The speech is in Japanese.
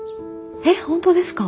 えっ本当ですか！？